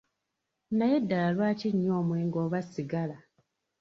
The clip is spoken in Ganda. Naye ddala lwaki nywa omwenge oba sigala?